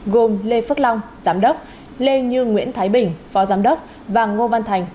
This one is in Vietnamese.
gồm lê phước long giám đốc lê như nguyễn thái bình phó giám đốc và ngô văn thành